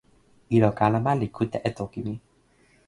ilo kalama li kute e toki mi.